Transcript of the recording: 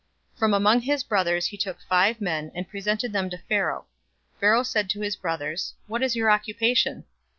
047:002 From among his brothers he took five men, and presented them to Pharaoh. 047:003 Pharaoh said to his brothers, "What is your occupation?"